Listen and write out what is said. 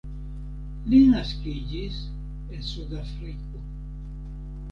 Li naskiĝis en Sudafriko.